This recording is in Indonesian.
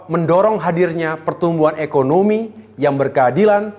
mendorong hadirnya pertumbuhan ekonomi yang berkeadilan